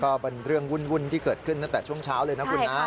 ก็เป็นเรื่องวุ่นที่เกิดขึ้นตั้งแต่ช่วงเช้าเลยนะคุณนะ